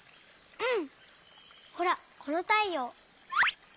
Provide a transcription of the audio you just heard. うん。